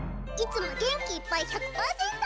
いつも元気いっぱい１００％！